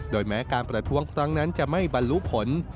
แม้การประท้วงครั้งนั้นจะไม่บรรลุผล